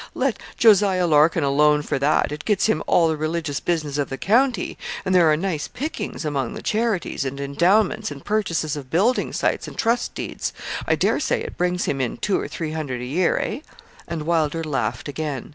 O, let Jos. Larkin alone for that. It gets him all the religious business of the county; and there are nice pickings among the charities, and endowments, and purchases of building sites, and trust deeds; I dare say it brings him in two or three hundred a year, eh?' And Wylder laughed again.